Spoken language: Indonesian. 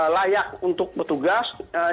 layak untuk bertugas